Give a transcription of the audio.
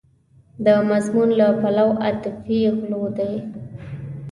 د مضمون له پلوه عاطفي غلوه ده.